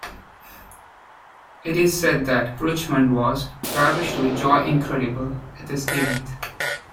It is said that Richmond was "ravished with joy incredible" at this event.